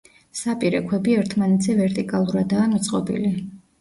საპირე ქვები ერთმანეთზე ვერტიკალურადაა მიწყობილი.